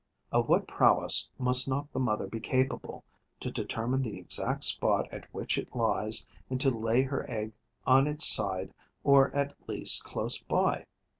Of what prowess must not the mother be capable to determine the exact spot at which it lies and to lay her egg on its side or at least close by?